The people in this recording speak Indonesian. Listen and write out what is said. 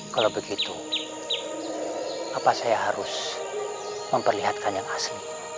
kalau begitu apa saya harus memperlihatkan yang asli